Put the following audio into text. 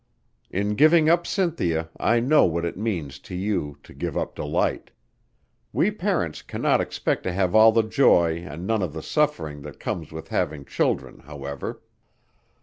In giving up Cynthia I know what it means to you to give up Delight. We parents cannot expect to have all the joy and none of the suffering that comes with having children, however."